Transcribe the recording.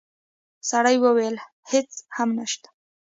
سړی وویل: هیڅ هم نشته.